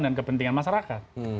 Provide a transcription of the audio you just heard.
dengan kepentingan masyarakat